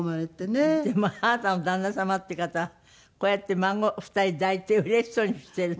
でもあなたの旦那様っていう方はこうやって孫２人抱いてうれしそうにしている。